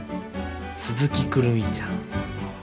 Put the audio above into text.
鈴木くるみちゃん。